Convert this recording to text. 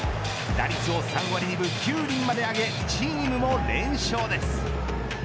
打率を３割２分９厘まで上げチームも連勝です。